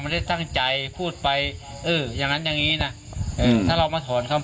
ไม่ได้ตั้งใจพูดไปอย่างนั้นอย่างนี้นะถ้าเรามาถอนคำ